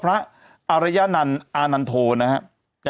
อารยนันต์อานันโทนะครับ